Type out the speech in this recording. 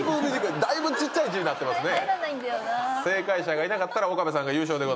だいぶちっちゃい字になってますね。